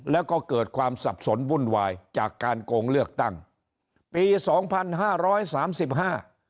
แล้วก็เกิดความสับสนวุ่นวายจากการโกงเลือกตั้งปีสองพันห้าร้อยสามสิบห้า